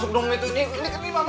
tuh kan lo kece amat